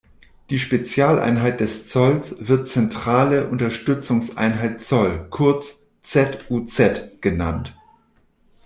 Die Spezialeinheit des Zolls wird zentrale Unterstützungseinheit Zoll, kurz Z-U-Z, genannt.